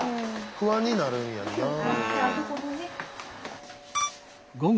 不安になるんやなあ。